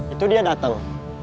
itu dia dateng